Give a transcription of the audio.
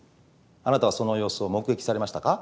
あなたはその様子を目撃されましたか？